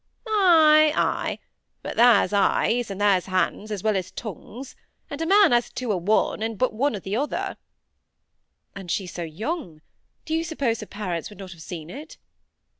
"Ay. Ay! but there's eyes, and there's hands, as well as tongues; and a man has two o' th' one and but one o' t'other." "And she's so young; do you suppose her parents would not have seen it?"